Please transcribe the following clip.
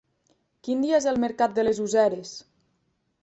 Quin dia és el mercat de les Useres?